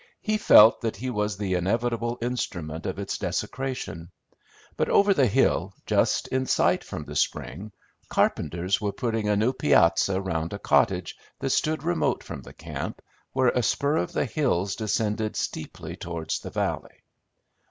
He felt that he was the inevitable instrument of its desecration; but over the hill, just in sight from the spring, carpenters were putting a new piazza round a cottage that stood remote from the camp, where a spur of the hills descended steeply towards the valley.